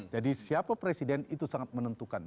jadi siapa presiden itu sangat menentukan